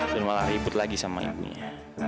dan malah ribet lagi sama ibunya